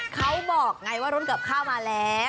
เขาบอกไงว่ารถกับข้าวมาแล้ว